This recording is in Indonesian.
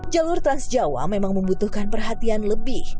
jalur trans jawa memang membutuhkan perhatian lebih